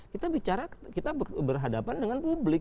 kita bicara kita berhadapan dengan publik